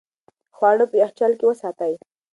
خواړه په یخچال کې وساتئ.